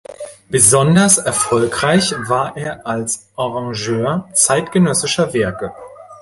Besonders erfolgreich war er als Arrangeur zeitgenössischer Werke.